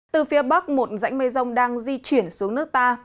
từ phía bắc một dãnh mây rông đang di chuyển xuống nước ta